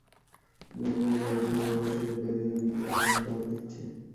মিয়ানমারের জেলেদের মাছ ধরার সুযোগ করে দিতে বিজিপি সেখানে টহল দিচ্ছে।